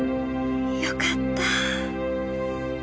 よかった。